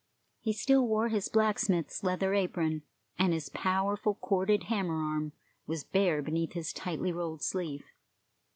He still wore his blacksmith's leather apron, and his powerful corded hammer arm was bare beneath his tightly rolled sleeve.